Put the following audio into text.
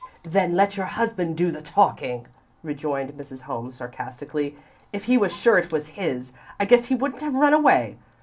"Then let your husband do the talking," rejoined Mrs. Holmes, sarcastically. "If he was sure it was his, I guess he wouldn't have run away.